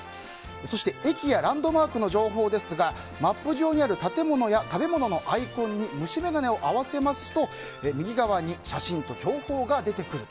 そして駅やランドマークの情報ですがマップ上にある建物や食べ物のアイコンに虫眼鏡を合わせますと右側に写真と情報が出てくると。